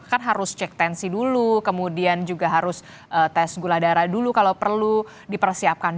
kan harus cek tensi dulu kemudian juga harus tes gula darah dulu kalau perlu dipersiapkan